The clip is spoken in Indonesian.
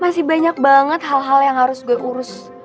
masih banyak banget hal hal yang harus gue urus